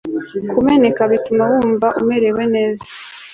Kumeneka bituma wumva umerewe neza